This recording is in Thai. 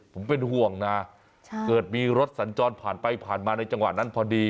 ผมเป็นห่วงนะเกิดมีรถสัญจรผ่านไปผ่านมาในจังหวะนั้นพอดี